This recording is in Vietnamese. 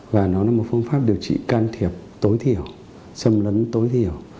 và nó là một phương pháp điều trị can thiệp tối thiểu xâm lấn tối thiểu